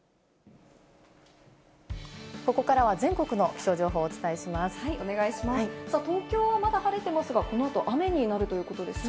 ここからは全国の気象情報を東京はまだ晴れていますが、この後、雨になるということですね。